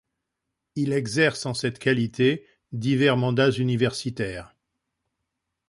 Il exerce en cette qualité divers mandats universitaires.